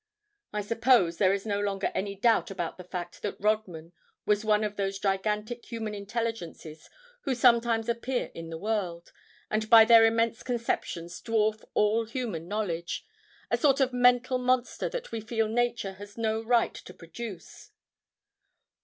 I suppose there is no longer any doubt about the fact that Rodman was one of those gigantic human intelligences who sometimes appear in the world, and by their immense conceptions dwarf all human knowledge—a sort of mental monster that we feel nature has no right to produce.